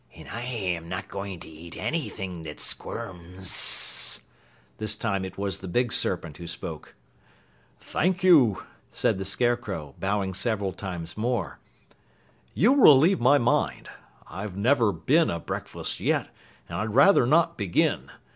"And I'm not going to eat anything that squirms." This time it was the big serpent who spoke. "Thank you!" said the Scarecrow, bowing several times more. "You relieve my mind. I've never been a breakfast yet, and I'd rather not begin.